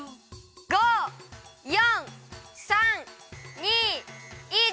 ５４３２１。